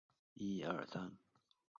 车站设有男女独立的冲洗式厕所。